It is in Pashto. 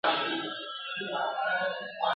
پرې را تاو یې کړه د ناز لاسونه دواړه!.